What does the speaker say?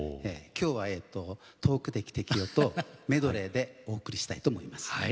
今日は「遠くで汽笛を」とメドレーでお送りしたいと思います。